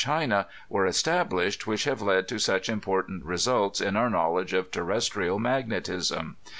China, were established which have led to such important results in our knowledge of terrestrial magnetism.